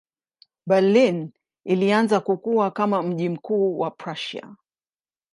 Berlin ilianza kukua kama mji mkuu wa Prussia.